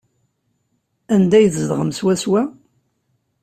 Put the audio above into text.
Anda ay tzedɣem swaswa?